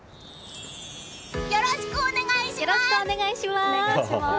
よろしくお願いします！